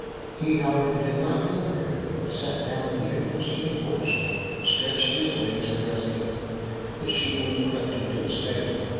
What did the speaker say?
He, however, did not go there, but sat down at the entrance to the forest, stretched his legs and rested. The she wolf crept into the stable.